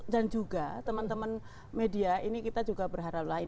dan juga teman teman media ini kita juga berharap lain